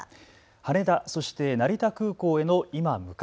羽田、そして成田空港への今昔。